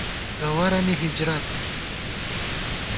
گوَرَنی ہجرت